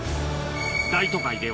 大都会では